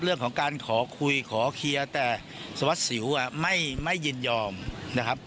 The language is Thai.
เรื่องของการขอคุยขอเคลียร์แต่สวัสดิสิวไม่ยินยอมนะครับ